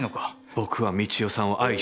「僕は三千代さんを愛している」。